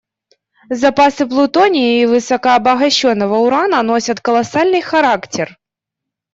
Запасы плутония и высокообогащенного урана носят колоссальный характер.